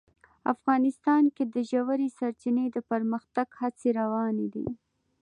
افغانستان کې د ژورې سرچینې د پرمختګ هڅې روانې دي.